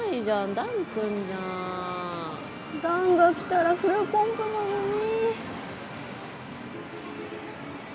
弾が来たらフルコンボなのに